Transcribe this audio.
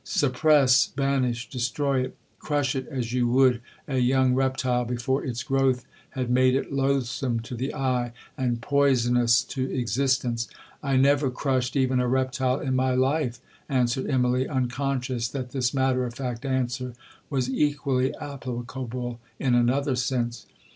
Suppress, banish, destroy it. Crush it as you would a young reptile before its growth had made it loathsome to the eye, and poisonous to existence!'—'I never crushed even a reptile in my life,' answered Immalee, unconscious that this matter of fact answer was equally applicable in another sense.